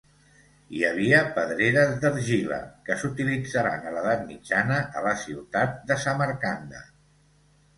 Hi havia pedreres d'argila que s'utilitzaran a l'edat mitjana a la ciutat de Samarcanda.